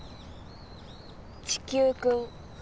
「地球くん」。